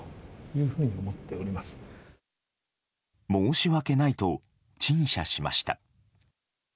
申し訳ないと陳謝しました。